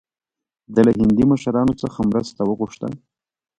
ده له هندي مشرانو څخه مرسته وغوښته.